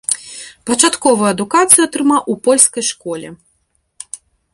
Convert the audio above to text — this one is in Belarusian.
Пачатковую адукацыю атрымаў у польскай школе.